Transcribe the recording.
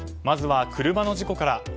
まずは車の事故から。